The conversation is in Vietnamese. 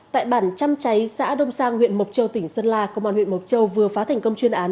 tại bản trăm cháy xã đông sang huyện mộc châu tỉnh sơn la công an huyện mộc châu vừa phá thành công chuyên án